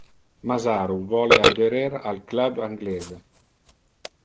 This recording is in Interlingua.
Masaru vole adherer al Club Anglese.